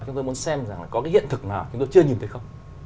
chúng tôi muốn xem có hiện thực nào chúng tôi chưa nhìn thấy không